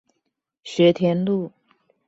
學田路